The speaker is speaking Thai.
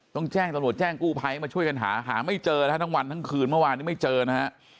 ต้องแจ้งตำรวจแจ้งกู้ภัยมาช่วยกันหาหาไม่เจอนะฮะทั้งวันทั้งคืนเมื่อวานนี้ไม่เจอนะฮะ